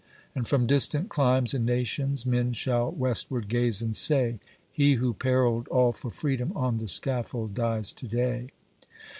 And from distant climes and nations men shall westward gaze, 'and say, " He who perilled all for Freedom on the scaffold dies to day."